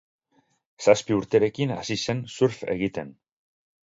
Zazpi urterekin hasi zen surf egiten.